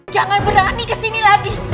jangan berani kesini lagi